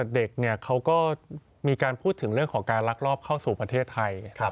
เด็กเขาก็มีการพูดถึงเรื่องของการลักลอบเข้าสู่ประเทศไทย